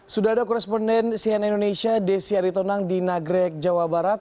sudah ada koresponden cnn indonesia desi aritonang di nagrek jawa barat